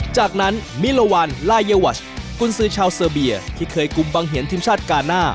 จากนั้นมิลวันลายวัชกุญสือชาวเซอร์เบียที่เคยกุมบังเห็นทีมชาติกาหน้า